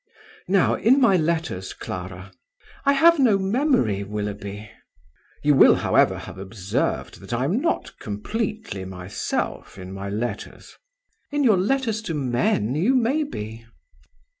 "Now in my letters, Clara ..." "I have no memory, Willoughby!" "You will, however, have observed that I am not completely myself in my letters ..." "In your letters to men you may be."